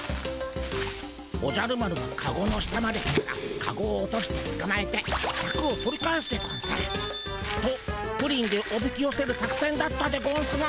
おじゃる丸がカゴの下まで来たらカゴを落としてつかまえてシャクを取り返すでゴンス。とプリンでおびきよせる作せんだったでゴンスが。